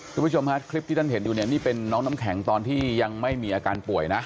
คุณผู้ชมฮะคลิปที่ท่านเห็นอยู่เนี่ยนี่เป็นน้องน้ำแข็งตอนที่ยังไม่มีอาการป่วยนะ